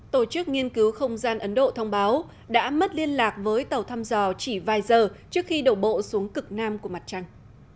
tổ chức nghiên cứu không gian ấn độ thông báo đã mất liên lạc với tàu thăm dò chỉ vài giờ trước khi đổ bộ xuống cực nam của mặt trăng